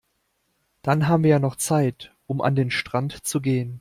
Dann haben wir ja noch Zeit, um an den Strand zu gehen.